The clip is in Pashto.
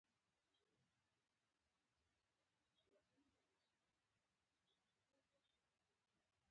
هغه وویل چې ستا ملګري نشته او ټول شپږ نفره دي.